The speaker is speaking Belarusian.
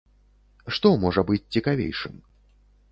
Што можа быць цікавейшым?